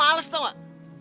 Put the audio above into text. lu males tau gak